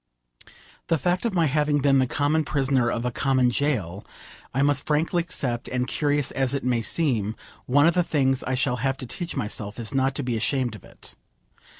The fact of my having been the common prisoner of a common gaol I must frankly accept, and, curious as it may seem, one of the things I shall have to teach myself is not to be ashamed of it.